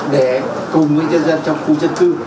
để cùng người dân dân trong khu dân cư